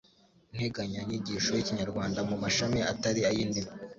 integanyanyigisho y'ikinyarwanda mu mashami atari ay'indimi